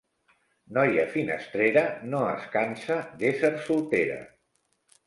Noia finestrera no es cansa d'ésser soltera.